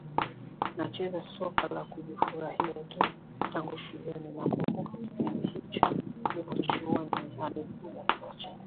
nacheza soka la kujifurahia tu tangu shuleni Nakumbuka kipindi hicho nipo chuoni alikuja kocha